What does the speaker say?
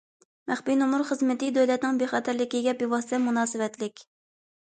مەخپىي نومۇر خىزمىتى دۆلەتنىڭ بىخەتەرلىكىگە بىۋاسىتە مۇناسىۋەتلىك.